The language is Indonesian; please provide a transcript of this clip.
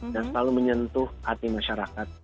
dan selalu menyentuh hati masyarakat